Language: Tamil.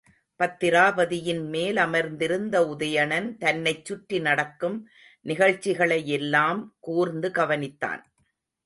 பத்திராபதியின்மேல் அமர்ந்திருந்த உதயணன் தன்னைச் சுற்றி நடக்கும் நிகழ்ச்சிகளையெல்லாம் கூர்ந்து கவனித்தான்.